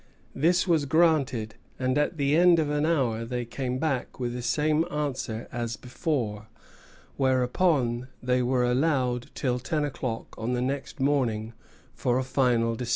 This was granted, and at the end of an hour they came back with the same answer as before; whereupon they were allowed till ten o'clock on the next morning for a final decision.